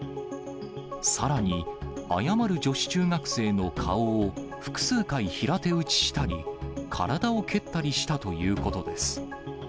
さらに、謝る女子中学生の顔を複数回平手打ちしたり、体を蹴ったりしたということです。